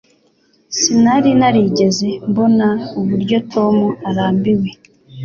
Sinari narigeze mbona uburyo Tom arambiwe